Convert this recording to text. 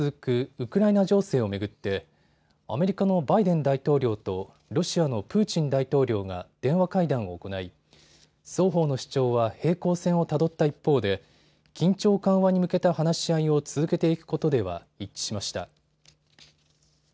ウクライナ情勢を巡ってアメリカのバイデン大統領とロシアのプーチン大統領が電話会談を行い双方の主張は平行線をたどった一方で緊張緩和に向けた話し合いを続けていくことでは一致しました。